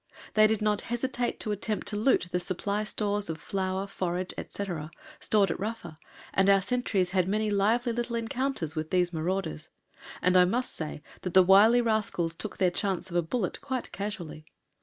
They did not hesitate to attempt to loot the supply stores of flour, forage, etc., stored at Rafa, and our sentries had many lively little encounters with these marauders, and I must say that the wily rascals took their chance of a bullet quite casually.